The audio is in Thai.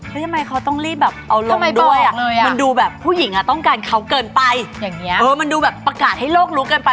เฮ้ยทำไมเขาต้องรีบแบบเอาลงด้วยอะมันดูแบบผู้หญิงต้องการเขาเกินไปมันดูแบบประกาศให้โลกรู้เกินไป